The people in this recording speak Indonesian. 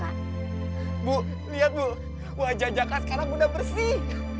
ibu lihat ibu wajah cakak sekarang sudah bersih